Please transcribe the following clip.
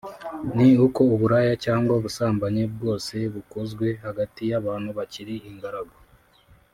ni uko uburaya cyangwa ubusambanyi bwose bukozwe hagati y’abantu bakiri ingaragu